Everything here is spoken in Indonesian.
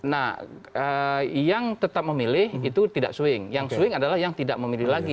nah yang tetap memilih itu tidak swing yang swing adalah yang tidak memilih lagi